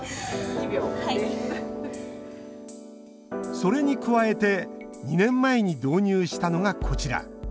それに加えて２年前に導入したのがこちら。